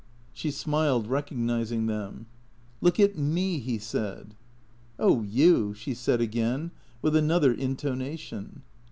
She smiled, recognizing them. " Look at ine^' he said. " Oh, you," she said again, with another intonation.